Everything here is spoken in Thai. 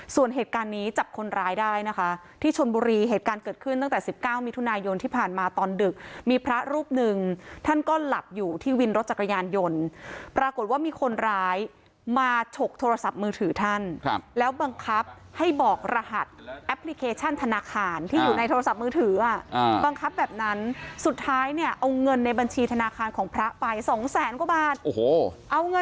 ส่วนเหตุการณ์นี้จับคนร้ายได้นะคะที่ชนบุรีเหตุการณ์เกิดขึ้นตั้งแต่๑๙มิถุนายนที่ผ่านมาตอนดึกมีพระรูปหนึ่งท่านก็หลับอยู่ที่วินรถจักรยานยนต์ปรากฏว่ามีคนร้ายมาฉกโทรศัพท์มือถือท่านแล้วบังคับให้บอกรหัสแอปพลิเคชันธนาคารที่อยู่ในโทรศัพท์มือถือบังคับแบบนั้นสุดท้ายเนี่ยเอาเงินในบัญชีธนาคารของพระไปสองแสนกว่าบาทโอ้โหเอาเงิน